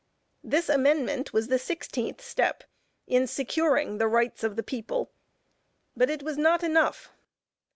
This amendment was the sixteenth step in securing the rights of the people, but it was not enough.